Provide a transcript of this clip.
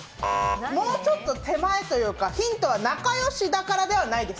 もうちょっと手前というか、ヒントは、仲よしだからではない。